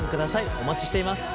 お待ちしています。